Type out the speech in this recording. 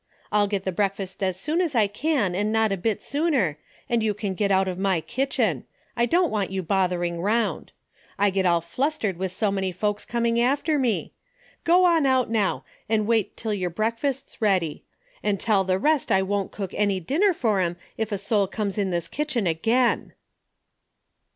I'll get the breakfast as soon as I can and not a bit sooner, and you can get out of my kitchen. I don't want you bothering 'round. I get all fiustered with so many folks coming after me. Go on out now, and wait till yer breakfast's ready. And tell the rest I won't cook any dinner fer 'em, if a soul comes in this kitchen again."